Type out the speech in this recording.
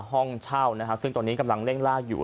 ห้องเช่านะครับซึ่งตรงนี้กำลังเล่งรากอยู่